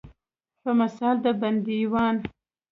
په مثال د بندیوان.